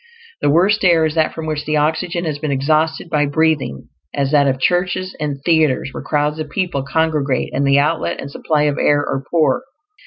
The worst air is that from which the oxygen has been exhausted by breathing; as that of churches and theaters where crowds of people congregate, and the outlet and supply of air are poor.